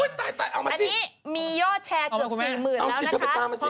โอ้โฮตายเอามาสิอันนี้มียอดแชร์เกือบ๔๐๐๐๐แล้วนะคะ